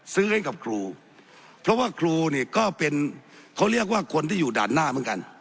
ซื้อให้กับครูเพราะว่าครูเนี่ยก็เป็นเขาเรียกว่าคนที่อยู่ด่านหน้าเหมือนกัน